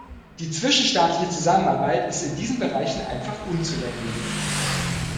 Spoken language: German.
Die zwischenstaatliche Zusammenarbeit ist in diesen Bereichen einfach unzulänglich.